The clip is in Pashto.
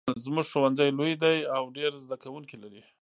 زمونږ ښوونځی لوی ده او ډېر زده کوونکي لري